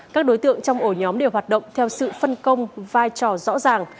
các đối tượng trong ổ nhóm đều hoạt động theo sự phân công vai trò rõ ràng